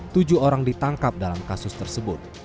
tujuh orang ditangkap dalam kasus tersebut